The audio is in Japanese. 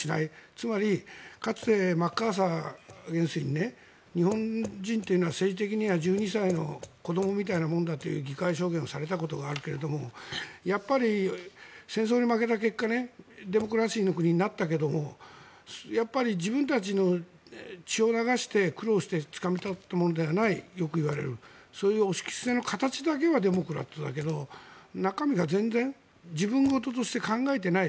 つまりかつて、マッカーサー元帥要するに日本人というのは政治的に１２歳の子どもみたいなものだという議会証言をされたことがあるけどやっぱり戦争に負けた結果デモクラシーの国になったけどやっぱり自分たちの血を流して苦労してつかみ取ったものではないと、よく言われるそういうお仕着せの形だけはデモクラットだけど中身が全然自分事として考えていない。